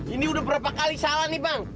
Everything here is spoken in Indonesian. ini udah berapa kali salah nih bang